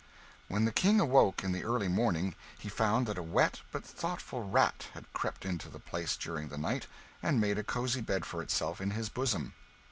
When the King awoke in the early morning, he found that a wet but thoughtful rat had crept into the place during the night and made a cosy bed for itself in his bosom.